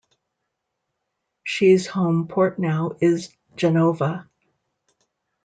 She's home port now is Genova.